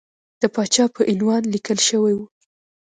د پاچا په عنوان لیکل شوی وو.